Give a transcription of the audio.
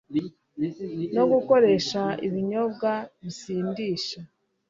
no gukoresha ibinyobwa bisindisha